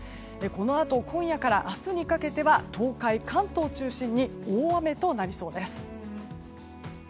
このあと今夜から明日にかけては東海・関東を中心に大雨となりそうです。